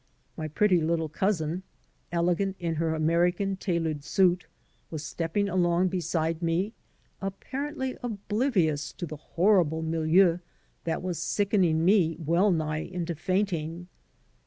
My pretty little cousin, elegant in hor American tailored suit, was stepping along beside me, apparently oblivious to the horrible milieu that was sickening me well nigh unto fainting.